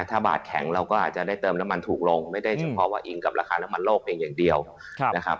ถ้าบาทแข็งเราก็อาจจะได้เติมน้ำมันถูกลงไม่ได้เฉพาะว่าอิงกับราคาน้ำมันโลกเพียงอย่างเดียวนะครับ